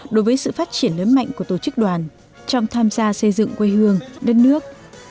đối với sự phát triển lớn mạnh của tổ chức đoàn trong tham gia xây dựng quê hương đất nước